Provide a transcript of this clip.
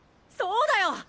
そうだよ！